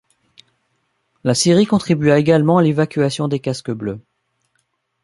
La Syrie contribua également à l'évacuation des casques bleus.